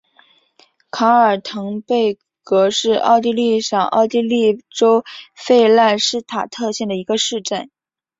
卡尔滕贝格是奥地利上奥地利州弗赖施塔特县的一个市镇。